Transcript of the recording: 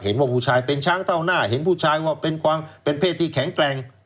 เห็นว่าผู้ชายเป็นช้างเต้าหน้าเห็นว่าผู้ชายเป็นเพศที่แข็งแกร่ง